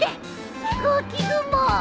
飛行機雲！